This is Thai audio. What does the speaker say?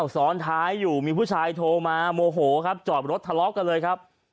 ซ้อนท้ายอยู่มีผู้ชายโทรมาโมโหครับจอดรถทะเลาะกันเลยครับ